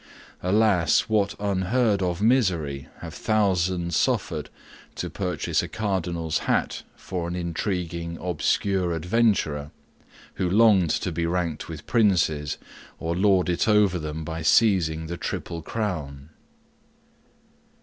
Alas! what unheard of misery have thousands suffered to purchase a cardinal's hat for an intriguing obscure adventurer, who longed to be ranked with princes, or lord it over them by seizing the triple crown!